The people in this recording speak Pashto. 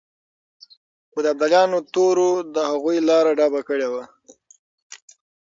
خو د ابدالیانو تورو د هغوی لاره ډب کړې وه.